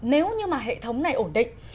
nếu như mà hệ thống này ổn định